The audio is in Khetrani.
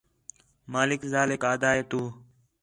مالک ذالیک آہدا ہے تُو